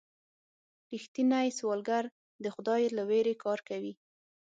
رښتینی سوداګر د خدای له ویرې کار کوي.